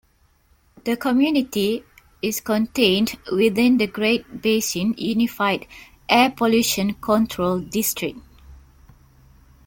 The community is contained within the Great Basin Unified Air Pollution Control District.